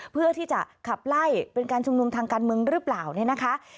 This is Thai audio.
เพื่อที่จะขับไล่เป็นการชุมนุมทางการเมืองหรือเปล่าเนี่ยนะคะ